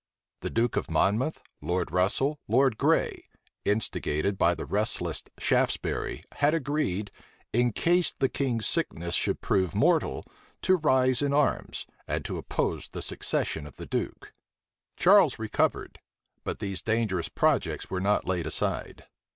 The duke of Monmouth, Lord Russel, Lord Grey, instigated by the restless Shaftesbury, had agreed, in case the king's sickness should prove mortal, to rise in arms, and to oppose the succession of the duke. Charles recovered; but these dangerous projects were not laid aside.